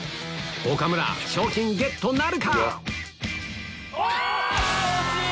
岡村賞金ゲットなるか⁉惜しい！